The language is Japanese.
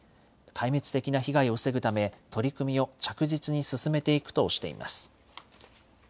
壊滅的な被害を防ぐため、取り組みを着実に進めていくとしています。